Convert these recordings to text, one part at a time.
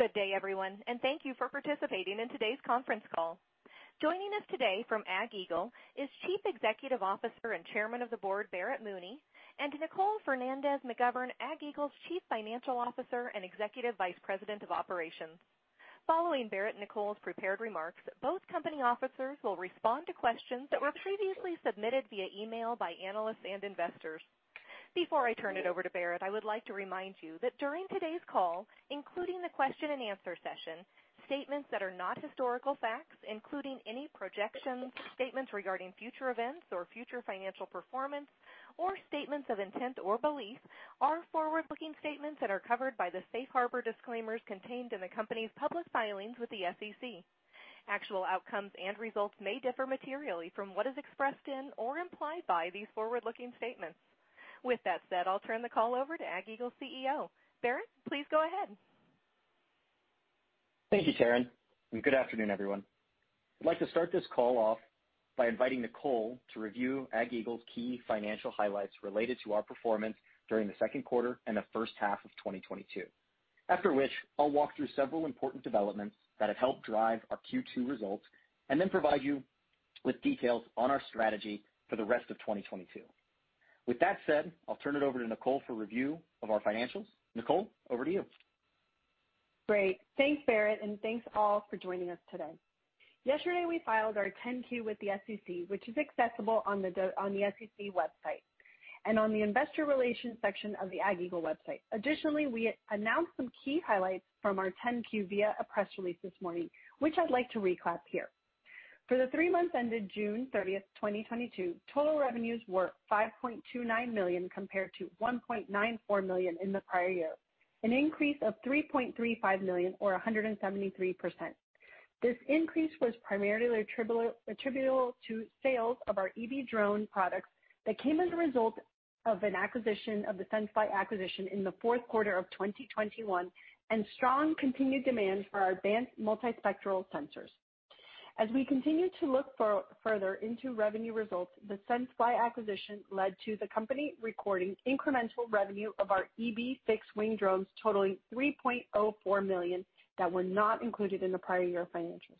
Good day, everyone, and thank you for participating in today's conference call. Joining us today from AgEagle is Chief Executive Officer and Chairman of the Board, Barrett Mooney, and Nicole Fernandez-McGovern, AgEagle's Chief Financial Officer and Executive Vice President of Operations. Following Barrett and Nicole's prepared remarks, both company officers will respond to questions that were previously submitted via email by analysts and investors. Before I turn it over to Barrett, I would like to remind you that during today's call, including the question and answer session, statements that are not historical facts, including any projections, statements regarding future events or future financial performance or statements of intent or belief, are forward-looking statements that are covered by the safe harbor disclaimers contained in the company's public filings with the SEC. Actual outcomes and results may differ materially from what is expressed in or implied by these forward-looking statements. With that said, I'll turn the call over to AgEagle's CEO. Barrett, please go ahead. Thank you, Taryn, and good afternoon, everyone. I'd like to start this call off by inviting Nicole to review AgEagle's key financial highlights related to our performance during the second quarter and the first half of 2022. After which, I'll walk through several important developments that have helped drive our Q2 results, and then provide you with details on our strategy for the rest of 2022. With that said, I'll turn it over to Nicole for review of our financials. Nicole, over to you. Great. Thanks, Barrett, and thanks, all, for joining us today. Yesterday, we filed our 10-Q with the SEC, which is accessible on the SEC website and on the investor relations section of the AgEagle website. Additionally, we announced some key highlights from our 10-Q via a press release this morning, which I'd like to recap here. For the three months ended June 30th, 2022, total revenues were $5.29 million compared to $1.94 million in the prior year, an increase of $3.35 million or 173%. This increase was primarily attributable to sales of our eBee drone products that came as a result of the senseFly acquisition in the fourth quarter of 2021 and strong continued demand for our advanced multispectral sensors. As we continue to look further into revenue results, the senseFly acquisition led to the company recording incremental revenue of our eBee fixed-wing drones totaling $3.04 million that were not included in the prior year financials.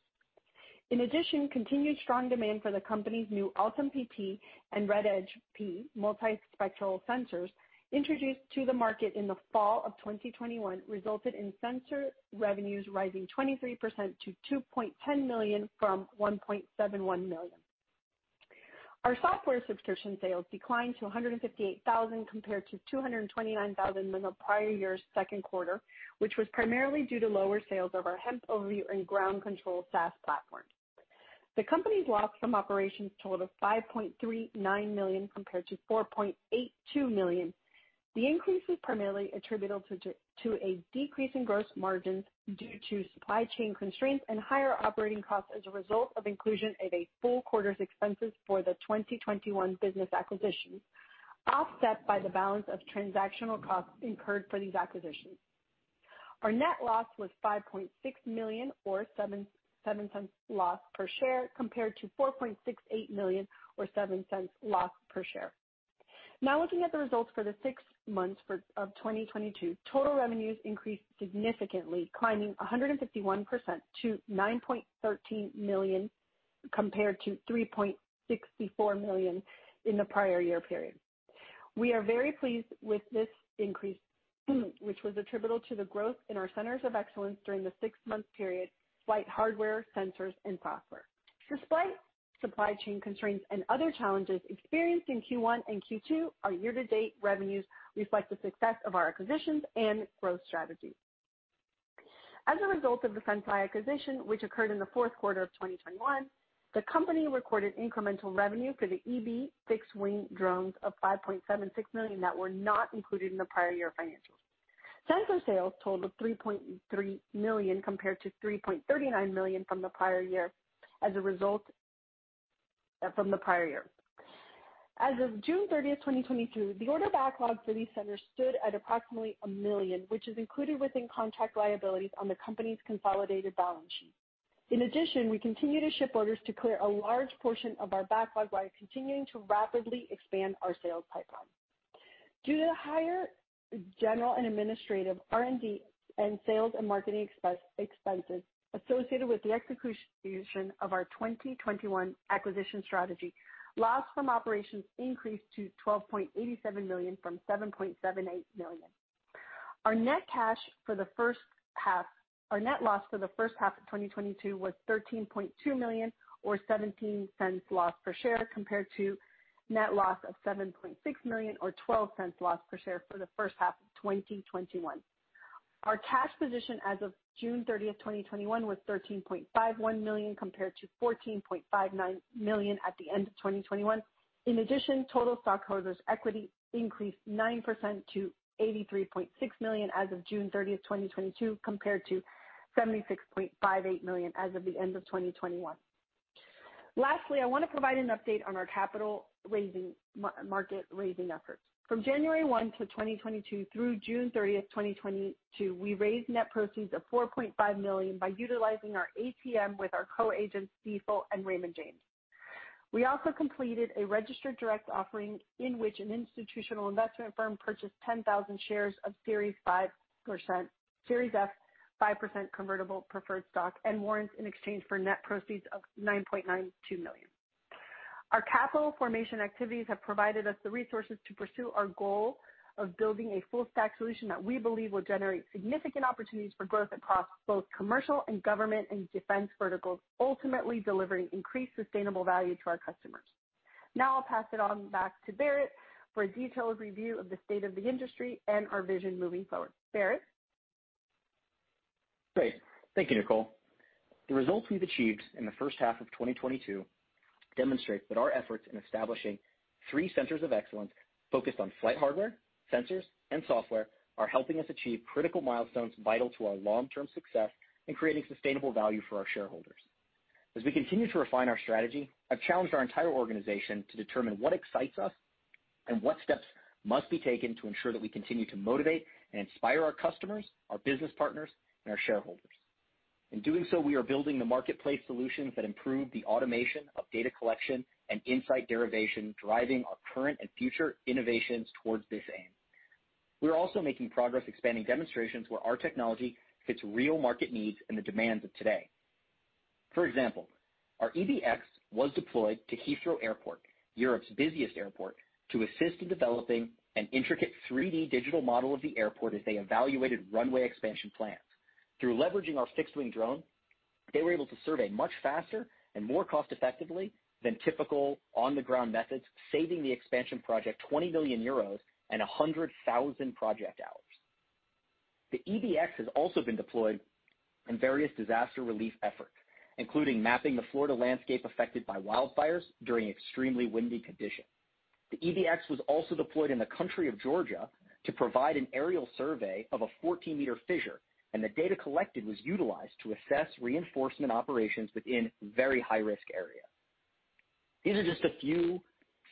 In addition, continued strong demand for the company's new Altum-PT and RedEdge-P multispectral sensors introduced to the market in the fall of 2021 resulted in sensor revenues rising 23% to $2.10 million from $1.71 million. Our software subscription sales declined to $158,000 compared to $229,000 in the prior year's second quarter, which was primarily due to lower sales of our HempOverview and Ground Control SaaS platform. The company's loss from operations totaled $5.39 million compared to $4.82 million. The increase was primarily attributable to a decrease in gross margins due to supply chain constraints and higher operating costs as a result of inclusion of a full quarter's expenses for the 2021 business acquisition, offset by the balance of transactional costs incurred for these acquisitions. Our net loss was $5.6 million or $0.07 loss per share compared to $4.68 million or $0.07 loss per share. Now looking at the results for the six months of 2022, total revenues increased significantly, climbing 151% to $9.13 million compared to $3.64 million in the prior year period. We are very pleased with this increase which was attributable to the growth in our centers of excellence during the six-month period, flight hardware, sensors, and software. Despite supply chain constraints and other challenges experienced in Q1 and Q2, our year-to-date revenues reflect the success of our acquisitions and growth strategy. As a result of the senseFly acquisition, which occurred in the fourth quarter of 2021, the company recorded incremental revenue for the eBee fixed-wing drones of $5.76 million that were not included in the prior year financials. Sensor sales totaled $3.3 million compared to $3.39 million from the prior year. As of June 30th, 2022, the order backlog for these sensors stood at approximately $1 million, which is included within contract liabilities on the company's consolidated balance sheet. In addition, we continue to ship orders to clear a large portion of our backlog while continuing to rapidly expand our sales pipeline. Due to the higher general and administrative R&D and sales and marketing expenses associated with the execution of our 2021 acquisition strategy, loss from operations increased to $12.87 million from $7.78 million. Our net loss for the first half of 2022 was $13.2 million or $0.17 loss per share compared to net loss of $7.6 million or $0.12 loss per share for the first half of 2021. Our cash position as of June 30th, 2021 was $13.51 million compared to $14.59 million at the end of 2021. In addition, total stockholders' equity increased 9% to $83.6 million as of June 30, 2022 compared to $76.58 million as of the end of 2021. Lastly, I wanna provide an update on our capital raising and market raising efforts. From January 1, 2022 through June 30, 2022, we raised net proceeds of $4.5 million by utilizing our ATM with our co-agents, Stifel and Raymond James. We also completed a registered direct offering in which an institutional investment firm purchased 10,000 shares of Series F 5% convertible preferred stock and warrants in exchange for net proceeds of $9.92 million. Our capital formation activities have provided us the resources to pursue our goal of building a full stack solution that we believe will generate significant opportunities for growth across both commercial and government and defense verticals, ultimately delivering increased sustainable value to our customers. Now I'll pass it on back to Barrett for a detailed review of the state of the industry and our vision moving forward. Barrett? Great. Thank you, Nicole. The results we've achieved in the first half of 2022 demonstrate that our efforts in establishing three centers of excellence focused on flight hardware, sensors, and software are helping us achieve critical milestones vital to our long-term success and creating sustainable value for our shareholders. As we continue to refine our strategy, I've challenged our entire organization to determine what excites us and what steps must be taken to ensure that we continue to motivate and inspire our customers, our business partners, and our shareholders. In doing so, we are building the marketplace solutions that improve the automation of data collection and insight derivation, driving our current and future innovations towards this aim. We're also making progress expanding demonstrations where our technology fits real market needs and the demands of today. For example, our eBee X was deployed to Heathrow Airport, Europe's busiest airport, to assist in developing an intricate 3D digital model of the airport as they evaluated runway expansion plans. Through leveraging our fixed-wing drone, they were able to survey much faster and more cost-effectively than typical on-the-ground methods, saving the expansion project 20 million euros and 100,000 project hours. The eBee X has also been deployed in various disaster relief efforts, including mapping the Florida landscape affected by wildfires during extremely windy conditions. The eBee X was also deployed in the country of Georgia to provide an aerial survey of a 14-meter fissure, and the data collected was utilized to assess reinforcement operations within very high-risk areas. These are just a few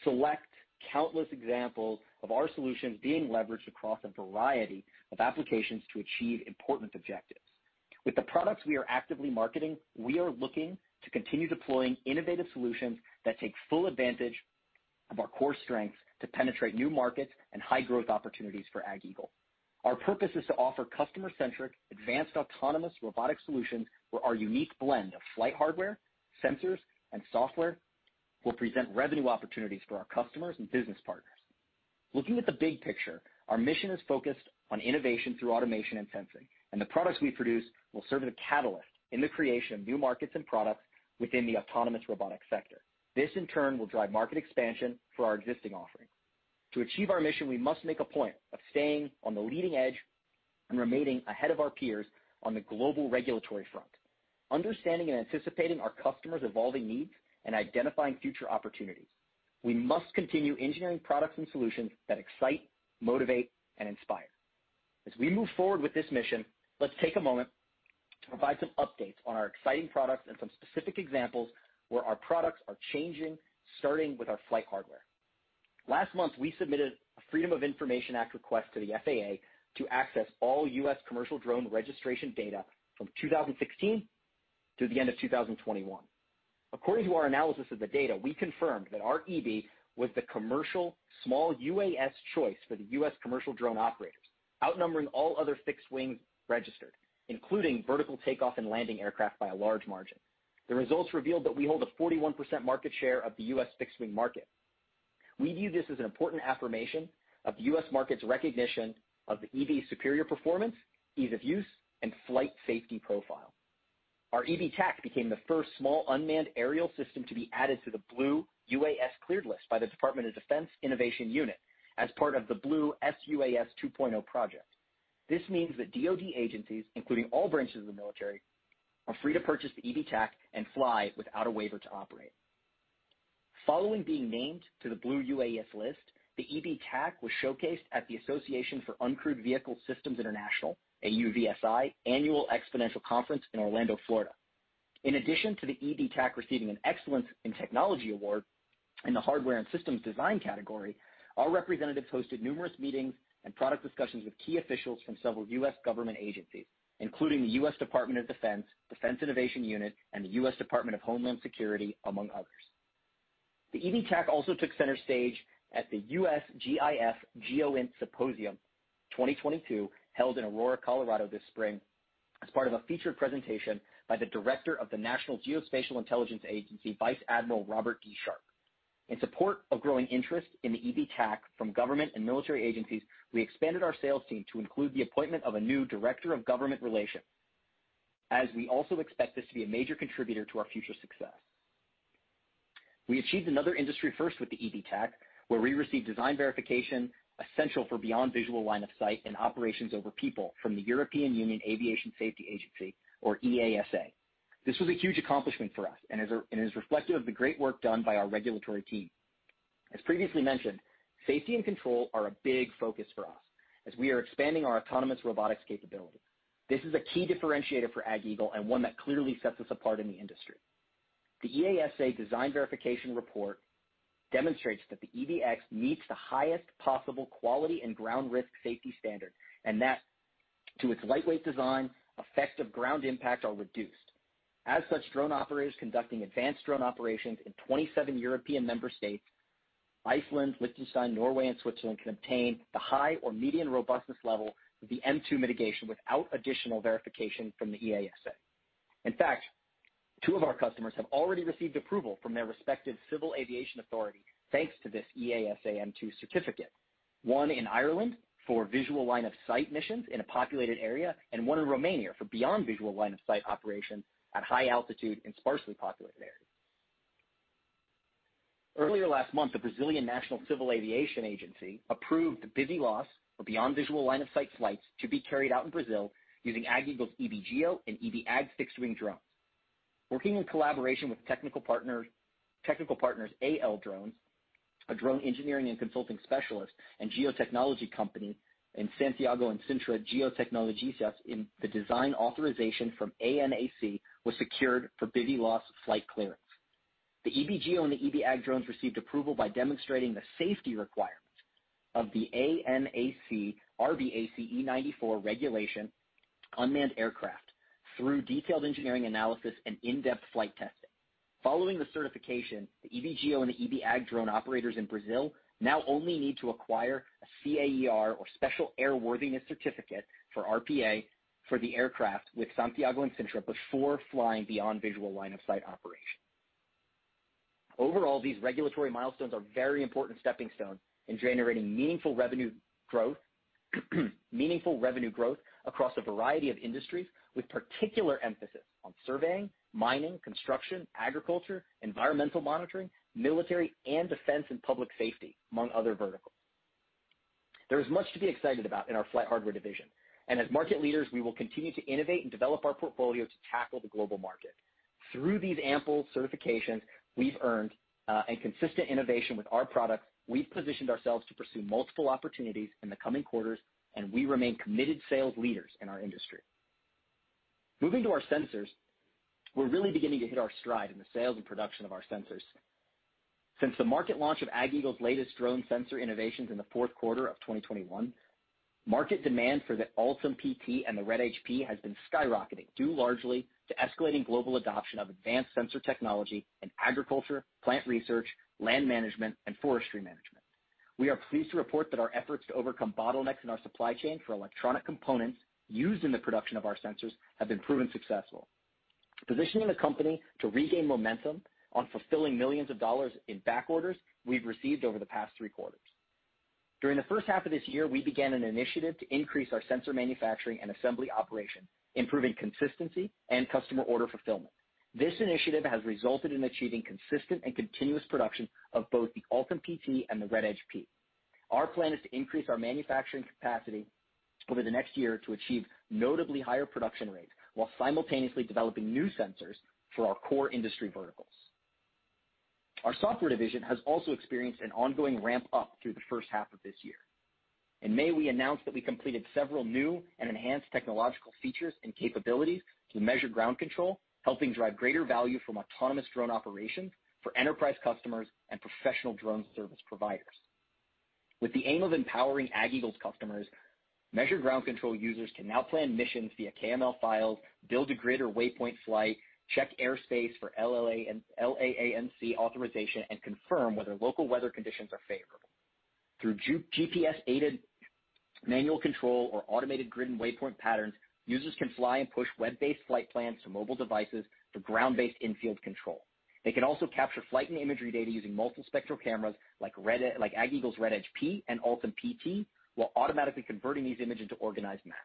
select countless examples of our solutions being leveraged across a variety of applications to achieve important objectives. With the products we are actively marketing, we are looking to continue deploying innovative solutions that take full advantage of our core strengths to penetrate new markets and high-growth opportunities for AgEagle. Our purpose is to offer customer-centric, advanced autonomous robotic solutions where our unique blend of flight hardware, sensors, and software will present revenue opportunities for our customers and business partners. Looking at the big picture, our mission is focused on innovation through automation and sensing, and the products we produce will serve as a catalyst in the creation of new markets and products within the autonomous robotics sector. This, in turn, will drive market expansion for our existing offerings. To achieve our mission, we must make a point of staying on the leading edge and remaining ahead of our peers on the global regulatory front, understanding and anticipating our customers' evolving needs and identifying future opportunities. We must continue engineering products and solutions that excite, motivate, and inspire. As we move forward with this mission, let's take a moment to provide some updates on our exciting products and some specific examples where our products are changing, starting with our flight hardware. Last month, we submitted a Freedom of Information Act request to the FAA to access all U.S. commercial drone registration data from 2016 to the end of 2021. According to our analysis of the data, we confirmed that our eBee was the commercial small UAS choice for the U.S. commercial drone operators, outnumbering all other fixed wings registered, including vertical takeoff and landing aircraft by a large margin. The results revealed that we hold a 41% market share of the U.S. fixed-wing market. We view this as an important affirmation of the U.S. market's recognition of the eBee's superior performance, ease of use, and flight safety profile. Our eBee Tac became the first small unmanned aerial system to be added to the Blue UAS cleared list by the Defense Innovation Unit as part of the Blue sUAS 2.0 project. This means that DoD agencies, including all branches of the military, are free to purchase the eBee Tac and fly without a waiver to operate. Following being named to the Blue UAS list, the eBee Tac was showcased at the Association for Uncrewed Vehicle Systems International, AUVSI, Annual Exponential Conference in Orlando, Florida. In addition to the eBee Tac receiving an Excellence in Technology award in the hardware and systems design category, our representatives hosted numerous meetings and product discussions with key officials from several U.S. government agencies, including the U.S. Department of Defense Innovation Unit, and the U.S. Department of Homeland Security, among others. The eBee Tac also took center stage at the USGIF GEOINT Symposium 2022, held in Aurora, Colorado this spring as part of a featured presentation by the Director of the National Geospatial-Intelligence Agency, Vice Admiral Robert G. Sharp. In support of growing interest in the eBee Tac from government and military agencies, we expanded our sales team to include the appointment of a new director of government relations, as we also expect this to be a major contributor to our future success. We achieved another industry first with the eBee Tac, where we received design verification essential for beyond visual line of sight and operations over people from the European Union Aviation Safety Agency, or EASA. This was a huge accomplishment for us and is reflective of the great work done by our regulatory team. As previously mentioned, safety and control are a big focus for us as we are expanding our autonomous robotics capability. This is a key differentiator for AgEagle and one that clearly sets us apart in the industry. The EASA design verification report demonstrates that the eBee X meets the highest possible quality and ground risk safety standard and that to its lightweight design, effects of ground impact are reduced. As such, drone operators conducting advanced drone operations in 27 European member states, Iceland, Liechtenstein, Norway, and Switzerland, can obtain the high or medium robustness level of the M2 mitigation without additional verification from the EASA. In fact, two of our customers have already received approval from their respective civil aviation authority, thanks to this EASA M2 certificate. One in Ireland for visual line of sight missions in a populated area, and one in Romania for beyond visual line of sight operations at high altitude and sparsely populated areas. Earlier last month, the Brazilian National Civil Aviation Agency approved the BVLOS, or beyond visual line of sight flights, to be carried out in Brazil using AgEagle's eBee GEO and eBee Ag fixed-wing drones. Working in collaboration with technical partners, AL Drones, a drone engineering and consulting specialist, and geotechnology company Santiago & Cintra Geotecnologias, the design authorization from ANAC was secured for BVLOS flight clearance. The eBee GEO and the eBee Ag drones received approval by demonstrating the safety requirements of the ANAC RBAC-E 94 regulation for unmanned aircraft through detailed engineering analysis and in-depth flight testing. Following the certification, the eBee GEO and the eBee Ag drone operators in Brazil now only need to acquire a CAER or Special Airworthiness Certificate for RPA for the aircraft with Santiago & Cintra before flying beyond visual line of sight operation. Overall, these regulatory milestones are very important stepping stones in generating meaningful revenue growth across a variety of industries, with particular emphasis on surveying, mining, construction, agriculture, environmental monitoring, military and defense and public safety, among other verticals. There is much to be excited about in our flight hardware division, and as market leaders, we will continue to innovate and develop our portfolio to tackle the global market. Through these ample certifications we've earned, and consistent innovation with our products, we've positioned ourselves to pursue multiple opportunities in the coming quarters, and we remain committed sales leaders in our industry. Moving to our sensors, we're really beginning to hit our stride in the sales and production of our sensors. Since the market launch of AgEagle's latest drone sensor innovations in the fourth quarter of 2021, market demand for the Altum-PT and the RedEdge-P has been skyrocketing, due largely to escalating global adoption of advanced sensor technology in agriculture, plant research, land management, and forestry management. We are pleased to report that our efforts to overcome bottlenecks in our supply chain for electronic components used in the production of our sensors have been proven successful, positioning the company to regain momentum on fulfilling millions of dollars in back orders we've received over the past three quarters. During the first half of this year, we began an initiative to increase our sensor manufacturing and assembly operation, improving consistency and customer order fulfillment. This initiative has resulted in achieving consistent and continuous production of both the Altum-PT and the RedEdge-P. Our plan is to increase our manufacturing capacity over the next year to achieve notably higher production rates while simultaneously developing new sensors for our core industry verticals. Our software division has also experienced an ongoing ramp up through the first half of this year. In May, we announced that we completed several new and enhanced technological features and capabilities to Measure Ground Control, helping drive greater value from autonomous drone operations for enterprise customers and professional drone service providers. With the aim of empowering AgEagle's customers, Measure Ground Control users can now plan missions via KML files, build a grid or waypoint flight, check airspace for LAANC authorization, and confirm whether local weather conditions are favorable. Through GPS-aided manual control or automated grid and waypoint patterns, users can fly and push web-based flight plans to mobile devices for ground-based in-field control. They can also capture flight and imagery data using multispectral cameras like AgEagle's RedEdge-P and Altum-PT, while automatically converting these images into organized maps.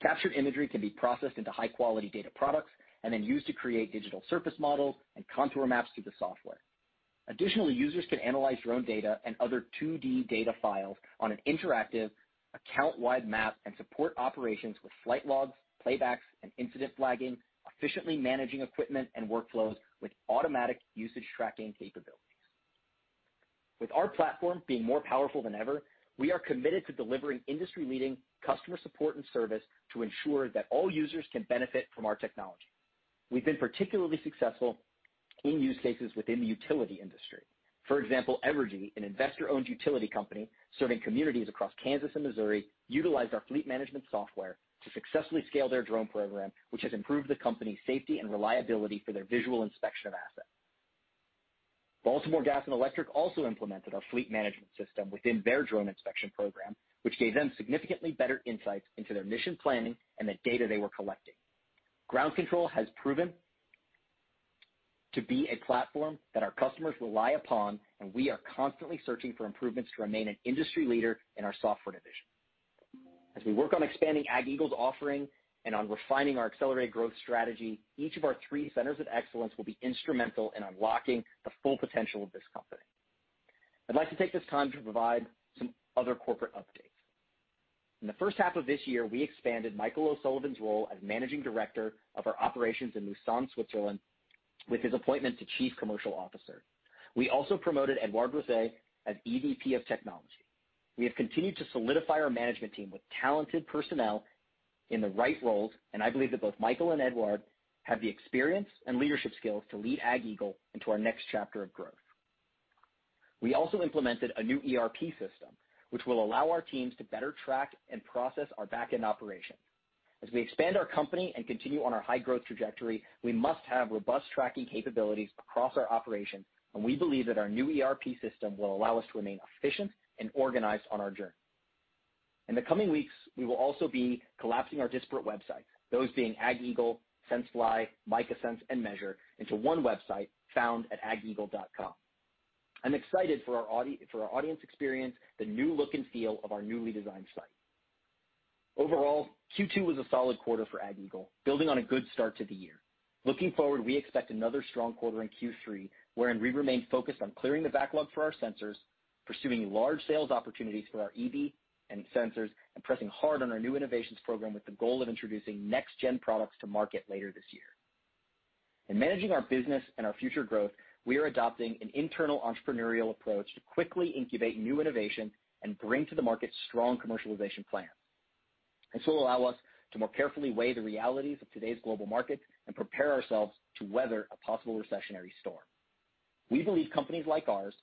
Captured imagery can be processed into high-quality data products and then used to create digital surface models and contour maps through the software. Additionally, users can analyze drone data and other 2D data files on an interactive account-wide map and support operations with flight logs, playbacks, and incident flagging, efficiently managing equipment and workflows with automatic usage tracking capabilities. With our platform being more powerful than ever, we are committed to delivering industry-leading customer support and service to ensure that all users can benefit from our technology. We've been particularly successful in use cases within the utility industry. For example, Evergy, an investor-owned utility company serving communities across Kansas and Missouri, utilized our fleet management software to successfully scale their drone program, which has improved the company's safety and reliability for their visual inspection of assets. Baltimore Gas and Electric also implemented our fleet management system within their drone inspection program, which gave them significantly better insights into their mission planning and the data they were collecting. Ground Control has proven to be a platform that our customers rely upon, and we are constantly searching for improvements to remain an industry leader in our software division. As we work on expanding AgEagle's offering and on refining our accelerated growth strategy, each of our three centers of excellence will be instrumental in unlocking the full potential of this company. I'd like to take this time to provide some other corporate updates. In the first half of this year, we expanded Michael O'Sullivan's role as Managing Director of our operations in Moudon, Switzerland, with his appointment to Chief Commercial Officer. We also promoted Edouard Rosset as EVP of Technology. We have continued to solidify our management team with talented personnel in the right roles, and I believe that both Michael and Edouard have the experience and leadership skills to lead AgEagle into our next chapter of growth. We also implemented a new ERP system, which will allow our teams to better track and process our back-end operations. As we expand our company and continue on our high growth trajectory, we must have robust tracking capabilities across our operations, and we believe that our new ERP system will allow us to remain efficient and organized on our journey. In the coming weeks, we will also be collapsing our disparate websites, those being AgEagle, SenseFly, MicaSense, and Measure into one website found at AgEagle.com. I'm excited for our audience experience, the new look and feel of our newly designed site. Overall, Q2 was a solid quarter for AgEagle, building on a good start to the year. Looking forward, we expect another strong quarter in Q3, wherein we remain focused on clearing the backlog for our sensors, pursuing large sales opportunities for our eBee and sensors, and pressing hard on our new innovations program with the goal of introducing next-gen products to market later this year. In managing our business and our future growth, we are adopting an internal entrepreneurial approach to quickly incubate new innovation and bring to the market strong commercialization plans. This will allow us to more carefully weigh the realities of today's global market and prepare ourselves to weather a possible recessionary storm. We believe companies like ours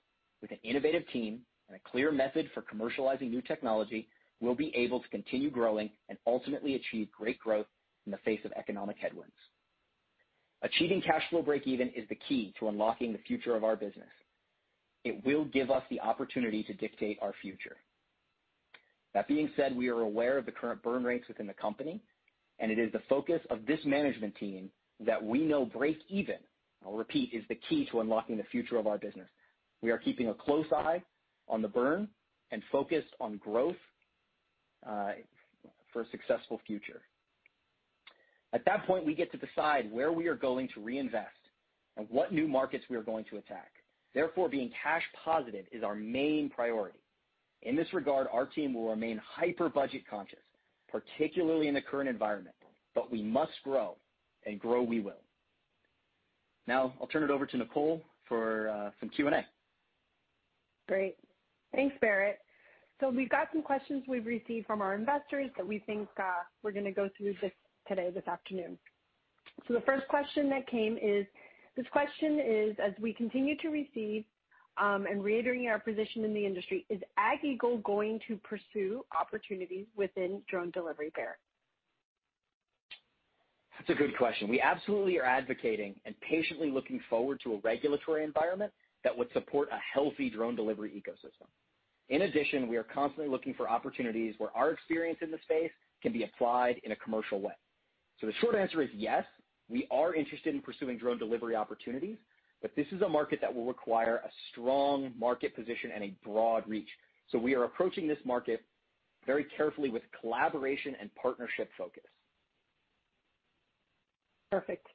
with an innovative team and a clear method for commercializing new technology will be able to continue growing and ultimately achieve great growth in the face of economic headwinds. Achieving cash flow breakeven is the key to unlocking the future of our business. It will give us the opportunity to dictate our future. That being said, we are aware of the current burn rates within the company, and it is the focus of this management team that we know breakeven, I'll repeat, is the key to unlocking the future of our business. We are keeping a close eye on the burn and focused on growth for a successful future. At that point, we get to decide where we are going to reinvest and what new markets we are going to attack. Therefore, being cash positive is our main priority. In this regard, our team will remain hyper budget conscious, particularly in the current environment. We must grow, and grow we will. Now I'll turn it over to Nicole for some Q&A. Great. Thanks, Barrett. We've got some questions we've received from our investors that we think we're gonna go through today, this afternoon. The first question is, as we continue to receive and reiterating our position in the industry, is AgEagle going to pursue opportunities within drone delivery, Barrett? That's a good question. We absolutely are advocating and patiently looking forward to a regulatory environment that would support a healthy drone delivery ecosystem. In addition, we are constantly looking for opportunities where our experience in the space can be applied in a commercial way. The short answer is yes, we are interested in pursuing drone delivery opportunities, but this is a market that will require a strong market position and a broad reach. We are approaching this market very carefully with collaboration and partnership focus. Perfect.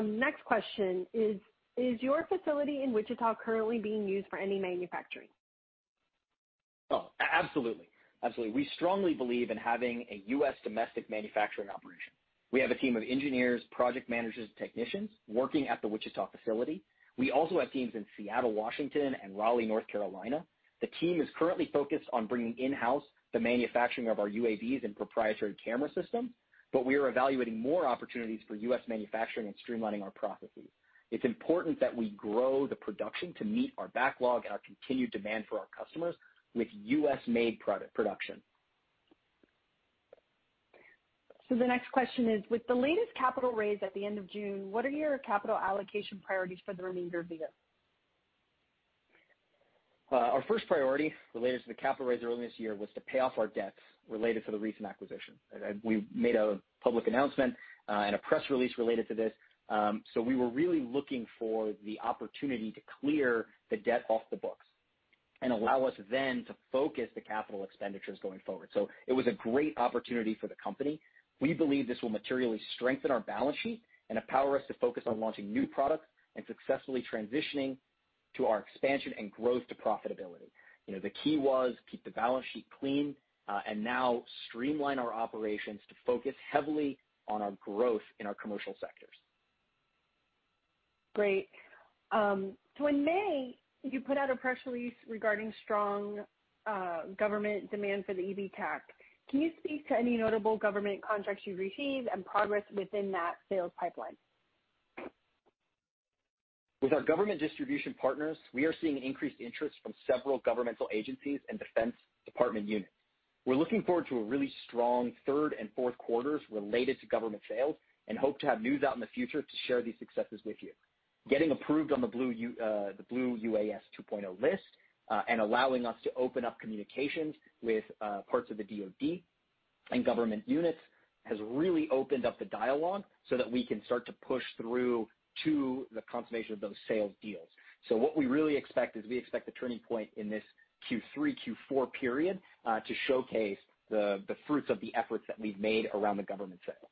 Next question is your facility in Wichita currently being used for any manufacturing? Absolutely. We strongly believe in having a U.S. domestic manufacturing operation. We have a team of engineers, project managers, and technicians working at the Wichita facility. We also have teams in Seattle, Washington, and Raleigh, North Carolina. The team is currently focused on bringing in-house the manufacturing of our UAVs and proprietary camera system, but we are evaluating more opportunities for U.S. manufacturing and streamlining our processes. It's important that we grow the production to meet our backlog and our continued demand for our customers with U.S.-made production. The next question is, with the latest capital raise at the end of June, what are your capital allocation priorities for the remainder of the year? Our first priority related to the capital raise earlier this year was to pay off our debts related to the recent acquisition. We made a public announcement, and a press release related to this. We were really looking for the opportunity to clear the debt off the books and allow us then to focus the capital expenditures going forward. It was a great opportunity for the company. We believe this will materially strengthen our balance sheet and empower us to focus on launching new products and successfully transitioning to our expansion and growth to profitability. You know, the key was keep the balance sheet clean, and now streamline our operations to focus heavily on our growth in our commercial sectors. Great. In May, you put out a press release regarding strong government demand for the EVTOL. Can you speak to any notable government contracts you've received and progress within that sales pipeline? With our government distribution partners, we are seeing increased interest from several governmental agencies and defense department units. We're looking forward to a really strong third and fourth quarters related to government sales and hope to have news out in the future to share these successes with you. Getting approved on the Blue UAS 2.0 list and allowing us to open up communications with parts of the DoD and government units has really opened up the dialogue so that we can start to push through to the consummation of those sales deals. What we really expect is we expect a turning point in this Q3, Q4 period to showcase the fruits of the efforts that we've made around the government sales.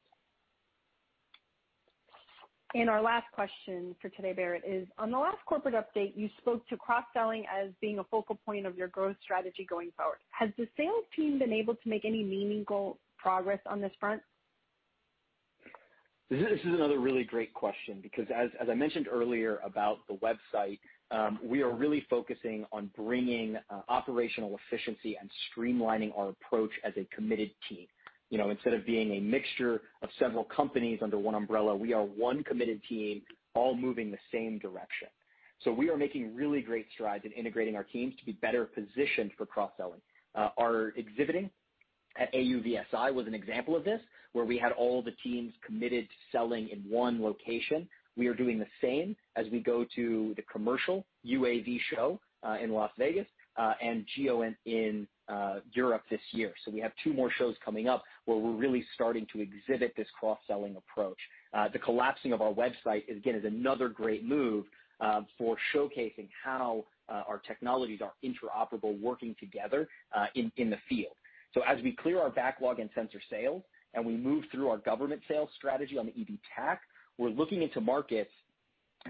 Our last question for today, Barrett, is on the last corporate update, you spoke to cross-selling as being a focal point of your growth strategy going forward. Has the sales team been able to make any meaningful progress on this front? This is another really great question because as I mentioned earlier about the website, we are really focusing on bringing operational efficiency and streamlining our approach as a committed team. You know, instead of being a mixture of several companies under one umbrella, we are one committed team all moving the same direction. We are making really great strides in integrating our teams to be better positioned for cross-selling. Our exhibiting at AUVSI was an example of this, where we had all the teams committed to selling in one location. We are doing the same as we go to the commercial UAV show in Las Vegas and GEO in Europe this year. We have two more shows coming up where we're really starting to exhibit this cross-selling approach. The consolidation of our website is again another great move for showcasing how our technologies are interoperable working together in the field. As we clear our backlog in sensor sales, and we move through our government sales strategy on the eBee Tac, we're looking into markets,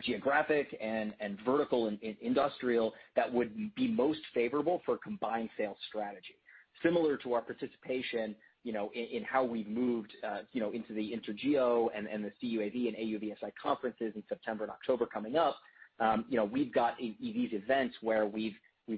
geographic and vertical in industrial that would be most favorable for a combined sales strategy. Similar to our participation, you know, in how we moved, you know, into the INTERGEO and the CUAV and AUVSI conferences in September and October coming up, you know, we've got these events where we've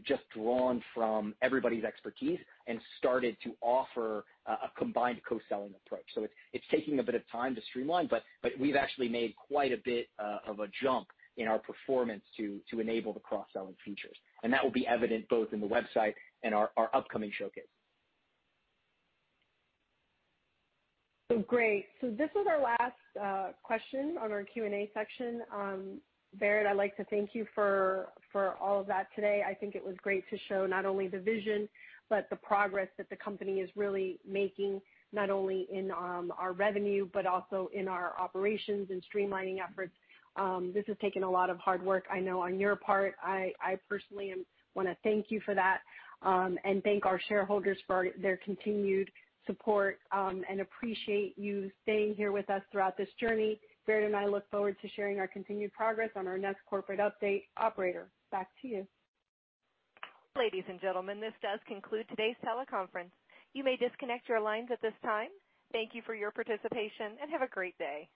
just drawn from everybody's expertise and started to offer a combined co-selling approach. It's taking a bit of time to streamline, but we've actually made quite a bit of a jump in our performance to enable the cross-selling features. That will be evident both in the website and our upcoming showcase. This is our last question on our Q&A section. Barrett, I'd like to thank you for all of that today. I think it was great to show not only the vision, but the progress that the company is really making, not only in our revenue, but also in our operations and streamlining efforts. This has taken a lot of hard work, I know on your part. I personally wanna thank you for that, and thank our shareholders for their continued support, and appreciate you staying here with us throughout this journey. Barrett and I look forward to sharing our continued progress on our next corporate update. Operator, back to you. Ladies and gentlemen, this does conclude today's teleconference. You may disconnect your lines at this time. Thank you for your participation, and have a great day.